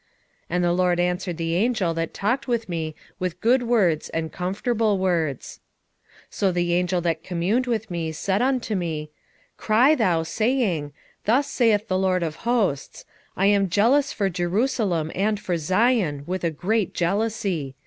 1:13 And the LORD answered the angel that talked with me with good words and comfortable words. 1:14 So the angel that communed with me said unto me, Cry thou, saying, Thus saith the LORD of hosts; I am jealous for Jerusalem and for Zion with a great jealousy.